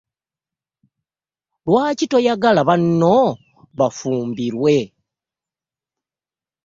Lwaki toyagala bano bafumbirwe?